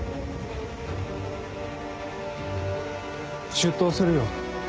出頭するよ